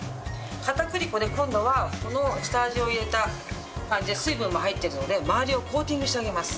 片栗粉で今度はこの下味を入れた感じで水分も入っているので周りをコーティングしてあげます。